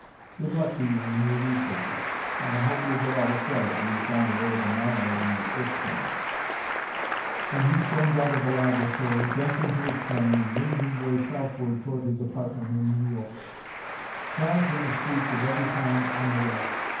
Good luck to you in your researches, and I hope you'll get all the credit when you find a way of annihilating the Earth Giants." And he stormed out of the laboratory, jumped into his plane, and winged his way southward toward his apartment in New York. Crowds in the streets of every town on the way.